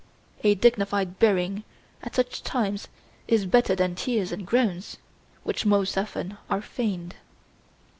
A dignified bearing at such times is better than tears and groans, which, most often, are feigned.